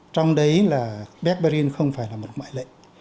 trong đấy là barbarin không phải là một ngoại lệ